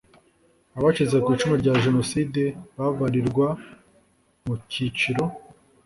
Abacitse ku icumu rya jenoside babarirwa mu kiciro